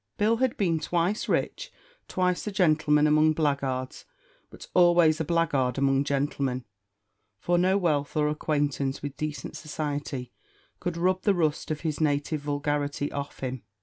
Bill had been twice rich; twice a gentleman among blackguards, but always a blackguard among gentlemen; for no wealth or acquaintance with decent society could rub the rust of his native vulgarity off him.